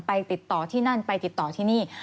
ติดต่อที่นั่นไปติดต่อที่นี่